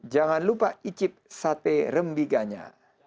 jangan lupa icip sate rembiganya